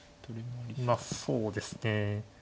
まあそうですね。